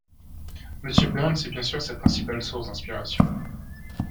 Mr Burns est bien sûr sa principale source d'inspiration.